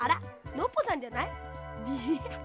ノッポさんじゃない？ハハハ。